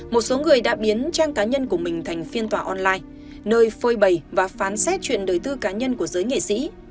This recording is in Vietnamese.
một số người đã biến trang cá nhân của mình thành phiên tòa online nơi phơi bày và phán xét chuyện đời tư cá nhân của giới nghệ sĩ